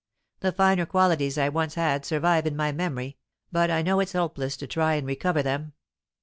The finer qualities I once had survive in my memory, bat I know it is hopeless to try and recover them.